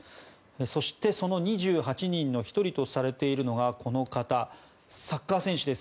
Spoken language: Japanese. そして、その２８人の１人とされているのがこの方、サッカー選手です。